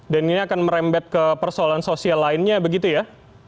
dan ini akan merembet ke persoalan sosial lainnya begitu ya